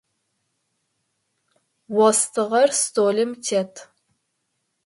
Остыгъэр столым тет.